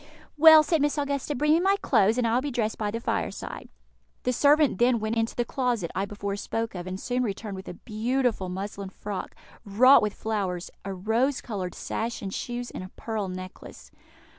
"Well," said Miss Augusta, "bring me my clothes, and I will be dressed by the fireside." The servant then went into the closet I before spoke of, and soon returned with a beautiful muslin frock, wrought with flowers, a rose coloured sash and shoes, and a pearl necklace.